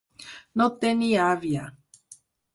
No tenir àvia.